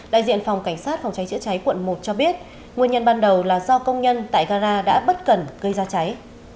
đại diện phòng cảnh sát phòng cháy chữa cháy quận một cho biết nguyên nhân ban đầu là do công nhân tại gara đã bất cẩn gây ra cháy